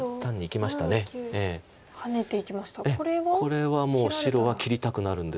これはもう白は切りたくなるんですけども。